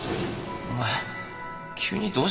お前急にどうしたんだよ